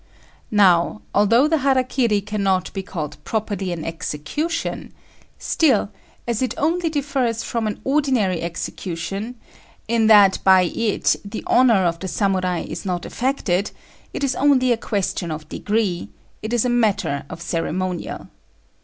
Now, although the hara kiri cannot be called properly an execution, still, as it only differs from an ordinary execution in that by it the honour of the Samurai is not affected, it is only a question of degree; it is a matter of ceremonial.